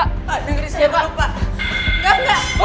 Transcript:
dengar ini siapa